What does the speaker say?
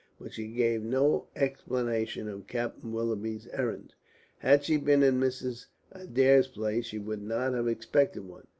But she gave no explanation of Captain Willoughby's errand. Had she been in Mrs. Adair's place she would not have expected one.